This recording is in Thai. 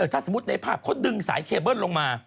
ถ้าสมมุติในภาพเขาดึงสายเคเบิ้ลลงมา